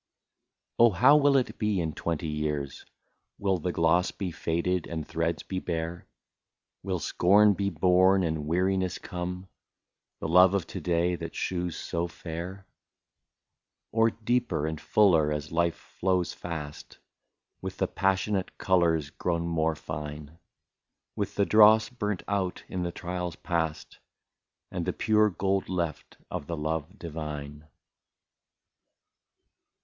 Oh ! how will it be in twenty years — Will the gloss be faded and threads be bare, Will scorn be born and weariness come — The love of to day that shews so fair ? Or deeper and fuller, as life flows fast. With the passionate colours grown more fine. With the dross burnt out in the trials past. And the pure gold left of the love divine